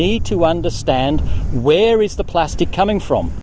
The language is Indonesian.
kita harus memahami dari mana plastik datang